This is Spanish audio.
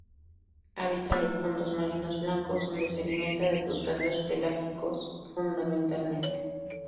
Habita los fondos marinos blandos, donde se alimenta de crustáceos pelágicos fundamentalmente.